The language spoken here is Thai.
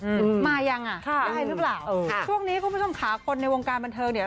อืมมายังอ่ะค่ะได้หรือเปล่าเออค่ะช่วงนี้คุณผู้ชมขาคนในวงการบันเทิงเนี่ย